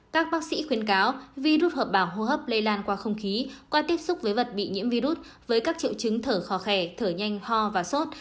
các bác sĩ khuyến cáo virus hợp bào hô hấp lây lan qua không khí qua tiếp xúc với vật bị nhiễm virus với các triệu chứng thở khó khẻ thở nhanh ho và sốt